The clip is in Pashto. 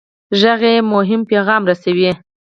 غږ یو مهم پیغام رسوي.